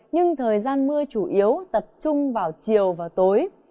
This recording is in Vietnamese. nhưng thời gian mưa chủ yếu tập trung vào chiều và tối